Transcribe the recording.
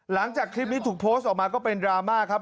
หลังจากคลิปนี้ถูกโพสต์ออกมาก็เป็นดราม่าครับ